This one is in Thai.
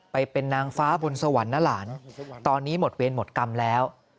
ไปเป็นนางฟ้าบนสวรรค์นะหลานตอนนี้หมดเวรหมดกรรมแล้ว